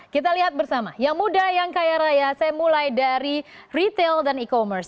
kita lihat bersama yang muda yang kaya raya saya mulai dari retail dan e commerce